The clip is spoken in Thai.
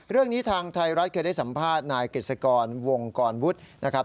เรื่องนี้ทางไทยรัฐเคยได้สัมภาษณ์นายกฤษกรวงกรวุฒินะครับ